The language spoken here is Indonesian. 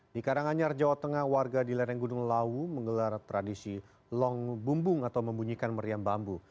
di karanganyar jawa tengah warga di lereng gunung lawu menggelar tradisi long bumbung atau membunyikan meriam bambu